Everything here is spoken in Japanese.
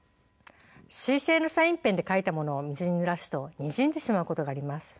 水性のサインペンで書いたものを水にぬらすとにじんでしまうことがあります。